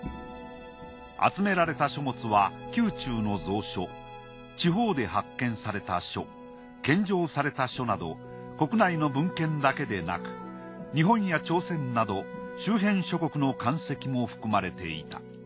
集められた書物は宮中の蔵書地方で発見された書献上された書など国内の文献だけでなく日本や朝鮮など周辺諸国の漢籍も含まれていた。